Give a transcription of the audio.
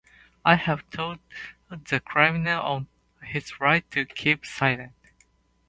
I have told the criminal of his rights to keep silent.